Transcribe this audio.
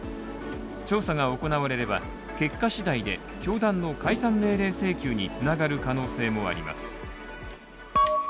調査が行われれば、結果次第で教団の解散命令請求につながる可能性もあります。